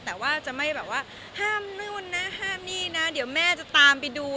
แต่ว่าจะไม่แบบว่าห้ามนู่นนะห้ามนี่นะเดี๋ยวแม่จะตามไปดู